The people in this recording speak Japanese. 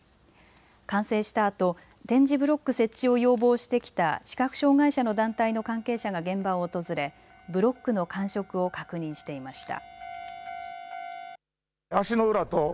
完成したあと点字ブロック設置を要望してきた視覚障害者の団体の関係者が現場を訪れブロックの感触を確認していました。